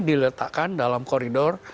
diletakkan dalam koridor